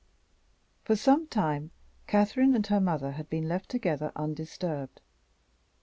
For some time, Catherine and her mother had been left together undisturbed.